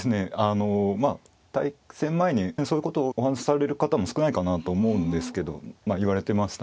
あのまあ対戦前にそういうことをお話しされる方も少ないかなと思うんですけどまあ言われてましたね。